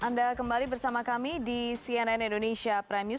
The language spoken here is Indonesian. anda kembali bersama kami di cnn indonesia prime news